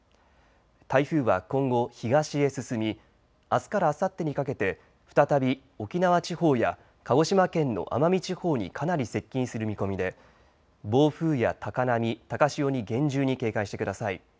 台風は今後、東へ進みあすからあさってにかけて再び沖縄地方や鹿児島県の奄美地方にかなり接近する見込みで暴風や高波、高潮に厳重に警戒してください。